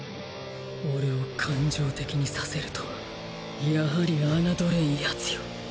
俺を感情的にさせるとはやはり侮れんヤツよ。